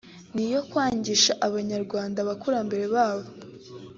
ni iyo kwangisha Abanyarwanda abakurambere babo